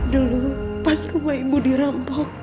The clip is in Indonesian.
dulu pas rumah ibu dirampok